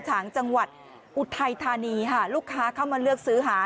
ฉางจังหวัดอุทัยธานีค่ะลูกค้าเข้ามาเลือกซื้อหา